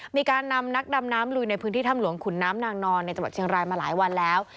มีการนำนักดำน้ำลุยในพื้นที่ถ้ำหลวงขุนน้ำนางนอนในจังหวัดเชียงรายมาหลายวันแล้ว